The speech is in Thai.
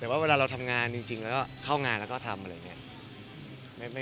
แต่ว่าเวลาเราทำงานจริงแล้วก็เข้างานแล้วก็ทำ